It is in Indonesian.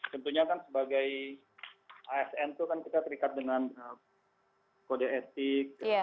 tentunya kan sebagai asn itu kan kita terikat dengan kode etik